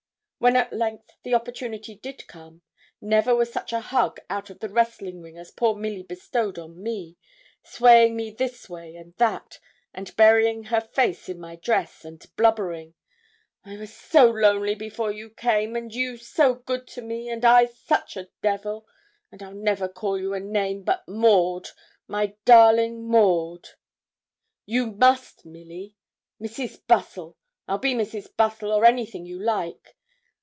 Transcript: When at length the opportunity did come, never was such a hug out of the wrestling ring as poor Milly bestowed on me, swaying me this way and that, and burying her face in my dress, and blubbering 'I was so lonely before you came, and you so good to me, and I such a devil; and I'll never call you a name, but Maud my darling Maud.' 'You must, Milly Mrs. Bustle. I'll be Mrs. Bustle, or anything you like.